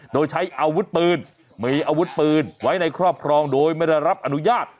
โดยใช้อาวุธปืนมีอาวุธปืนไว้ในครอบครองโดยไม่ได้รับอนุญาต